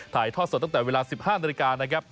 ถ่ายทอดสดตั้งแต่เวลา๑๕นาฬิกานะครับ